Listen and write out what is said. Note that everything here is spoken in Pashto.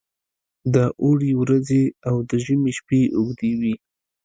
د اوړي ورځې او د ژمي شپې اوږې وي.